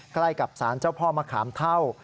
ใกล้กับสารเจ้าพ่อมะขามเท่า